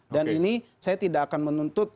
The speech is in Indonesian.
dan ini saya tidak akan menuntut